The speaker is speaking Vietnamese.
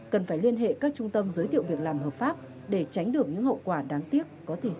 cần phải liên hệ các trung tâm giới thiệu việc làm hợp pháp để tránh được những hậu quả đáng tiếc có thể xảy ra